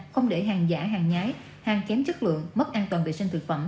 không để hàng giả hàng nhái hàng kém chất lượng mất an toàn vệ sinh thực phẩm